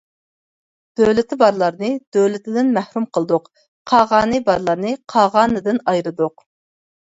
دۆلىتى بارلارنى دۆلىتىدىن مەھرۇم قىلدۇق، قاغانى بارلارنى قاغانىدىن ئايرىدۇق.